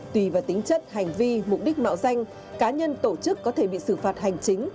tùy vào tính chất hành vi mục đích mạo danh cá nhân tổ chức có thể bị xử phạt hành chính